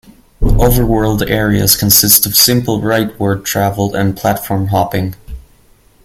Overworld areas consist of simple rightward travel and platform hopping.